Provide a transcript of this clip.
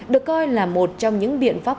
được coi là một trong những biện pháp